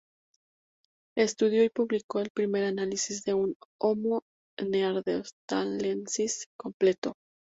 Estudió y publicó el primer análisis de un "Homo neanderthalensis" completo.